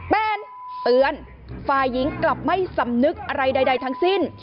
แฟนเตือนฝ่ายหญิงกลับไม่สำนึกอะไรใดทั้งสิ้น